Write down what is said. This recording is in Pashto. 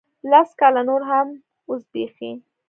لس کاله نور هم وزبیښي